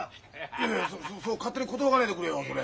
いやいやその勝手に寿がねえでくれよそれ。